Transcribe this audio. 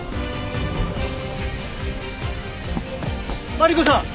マリコさん！